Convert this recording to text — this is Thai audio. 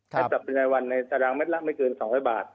ให้จับเป็นรายวันในอาจารย์แมตรละไม่เกิน๒๐๐๐บาท